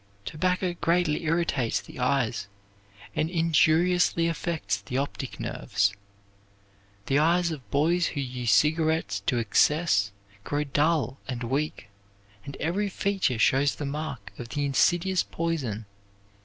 Tobacco greatly irritates the eyes, and injuriously affects the optic nerves. The eyes of boys who use cigarettes to excess grow dull and weak, and every feature shows the mark of the insidious poison.